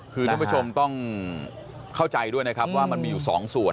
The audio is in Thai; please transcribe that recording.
คือท่านผู้ชมต้องเข้าใจด้วยนะครับว่ามันมีอยู่สองส่วน